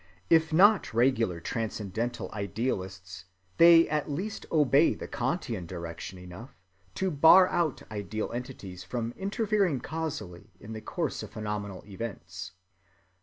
If not regular transcendental idealists, they at least obey the Kantian direction enough to bar out ideal entities from interfering causally in the course of phenomenal events.